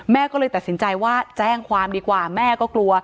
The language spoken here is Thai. ก็เลยตัดสินใจว่าแจ้งความดีกว่าแม่ก็กลัว